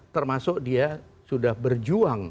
termasuk dia sudah berjuang